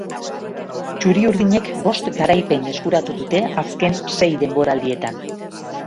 Txuriurdinek bost garaipen eskuratu dute azken sei denboraldietan.